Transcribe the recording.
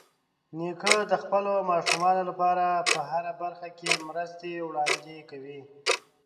نیکه د خپلو ماشومانو لپاره په هره برخه کې مرستې وړاندې کوي.